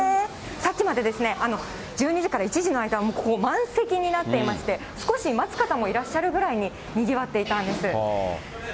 さっきまで１２時から１時の間はもう満席になっていまして、少し待つ方もいらっしゃるぐらいににぎわっていたんです。